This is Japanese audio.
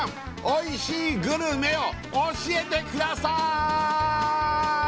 おいしいグルメを教えてくださーい！